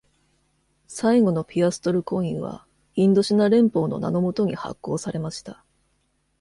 最後のピアストルコインは「インドシナ連邦」の名のもとに発行されました。